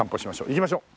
行きましょう。